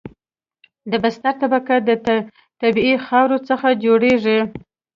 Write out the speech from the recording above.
د بستر طبقه د طبیعي خاورې څخه جوړیږي